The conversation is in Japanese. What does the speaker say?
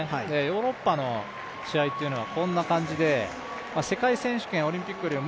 ヨーロッパの試合というのはこんな感じで世界選手権、オリンピックよりは